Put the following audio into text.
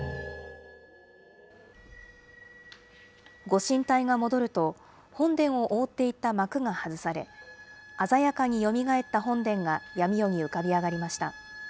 ご神体が戻ると、本殿を覆っていた幕が外され、鮮やかによみがえった本殿が闇夜に浮かび上がりました。